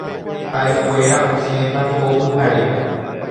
Ha’ekuéra osẽta ko pyhare.